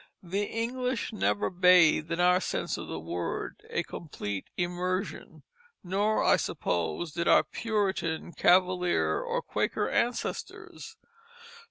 The English never bathed, in our sense of the word, a complete immersion, nor, I suppose, did our Puritan, Cavalier, or Quaker ancestors.